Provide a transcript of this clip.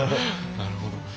なるほど。